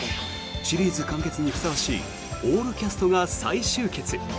シリーズ完結にふさわしいオールキャストが再集結！